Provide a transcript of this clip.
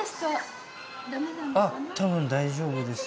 あったぶん大丈夫です。